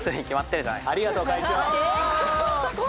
ありがとう会長！